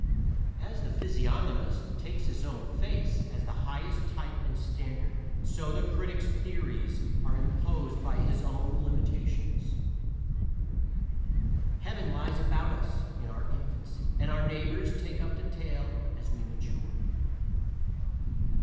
As the physiognomist takes his own face as the highest type and standard, so the critic's theories are imposed by his own limitations. "Heaven lies about us in our infancy," and our neighbors take up the tale as we mature.